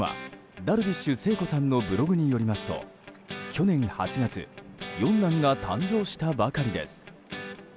ダルビッシュ聖子さんのブログによりますと去年８月、４男が誕生したばかりです。